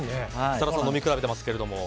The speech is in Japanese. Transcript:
設楽さん、飲み比べてますけど。